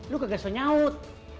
lu kagak usah nyaut